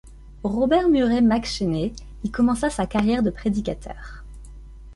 Robert Murray McCheyne y commença sa carrière de prédicateur.